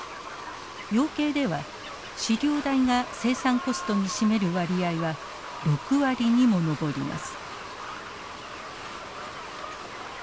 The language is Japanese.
養鶏では飼料代が生産コストに占める割合は６割にも上ります。